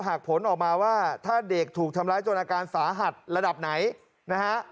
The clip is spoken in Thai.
ผลออกมาว่าถ้าเด็กถูกทำร้ายจนอาการสาหัสระดับไหนนะฮะ